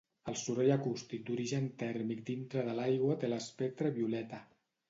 El soroll acústic d'origen tèrmic dintre de l'aigua té l'espectre violeta.